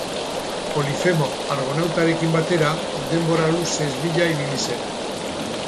Polifemo argonautarekin batera, denbora luzez bila ibili zen.